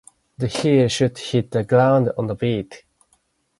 The heel should hit the ground on the beat.